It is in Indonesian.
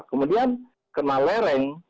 kemudian kena lereng